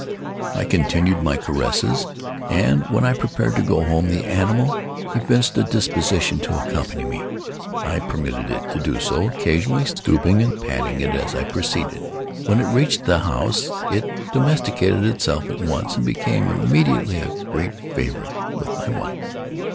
I continued my caresses, and, when I prepared to go home, the animal evinced a disposition to accompany me. I permitted it to do so; occasionally stooping and patting it as I proceeded. When it reached the house it domesticated itself at once, and became immediately a great favorite with my wife.